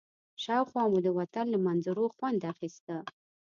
شاوخوا مو د وطن له منظرو خوند اخيسته.